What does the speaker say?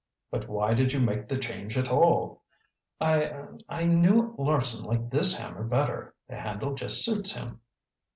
"But why did you make the change at all?" "I er I knew Larson liked this hammer better. The handle just suits him."